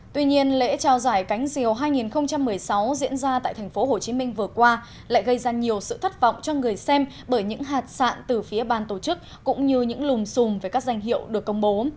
tuy nhiên lễ trao giải cánh diều hai nghìn một mươi sáu diễn ra tại tp hcm vừa qua lại gây ra nhiều sự thất vọng cho người xem bởi những hạt sạn từ phía ban tổ chức cũng như những lùm xùm về các danh hiệu được công bố